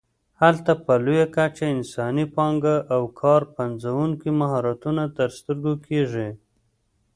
هلته په لویه کچه انساني پانګه او کار پنځوونکي مهارتونه تر سترګو کېږي.